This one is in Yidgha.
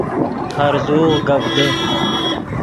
ہرزوغ گپ دے